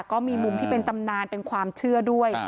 ก็มีมุมที่เป็นตำนานเป็นความเชื่อด้วย